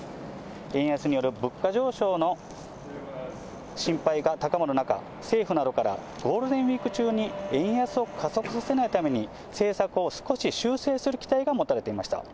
円安による物価上昇の心配が高まる中、政府などから、ゴールデンウィーク中に円安を加速させないために、政策を少し修正する期待が持たれていました。